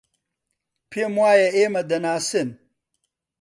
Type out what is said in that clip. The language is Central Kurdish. پێم وایە ئێمە دەناسن.